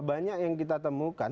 banyak yang kita temukan